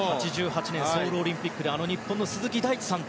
８８年のソウルオリンピックで日本の鈴木大地さん